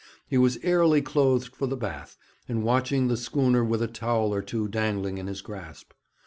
He was airily clothed for the bath, and watched the schooner with a towel or two dangling in his grasp.